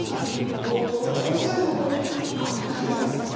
包丁ね押さえると肉ってこれ切れないんですよ。